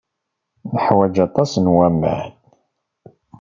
Neḥwaj aṭas n waman.